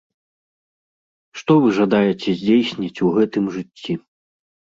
Што вы жадаеце здзейсніць у гэтым жыцці?